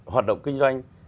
hoạt động kinh doanh